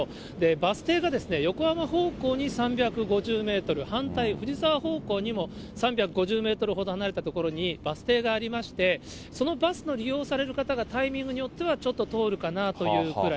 バス停が横浜方向に３５０メートル、反対、藤沢方向にも３５０メートルほど離れた所にバス停がありまして、そのバスを利用される方がタイミングによってはちょっと通るかなというくらい。